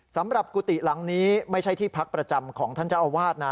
กุฏิหลังนี้ไม่ใช่ที่พักประจำของท่านเจ้าอาวาสนะ